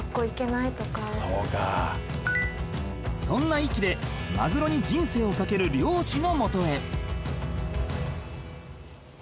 ［そんな壱岐でマグロに人生を懸ける漁師のもとへ］